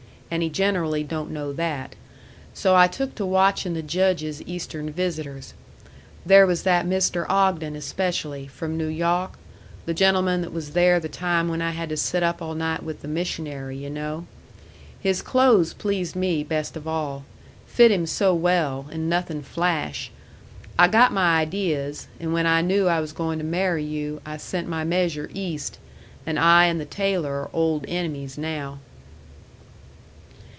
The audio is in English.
And he generally don't know that. So I took to watching the Judge's Eastern visitors. There was that Mr. Ogden especially, from New Yawk the gentleman that was there the time when I had to sit up all night with the missionary, yu' know. His clothes pleased me best of all. Fit him so well, and nothing flash. I got my ideas, and when I knew I was going to marry you, I sent my measure East and I and the tailor are old enemies now."